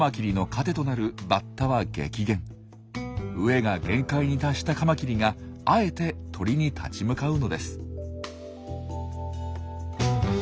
飢えが限界に達したカマキリがあえて鳥に立ち向かうのです。